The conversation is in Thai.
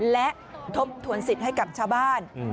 และทบทวนสิทธิ์ให้กับชาวบ้าน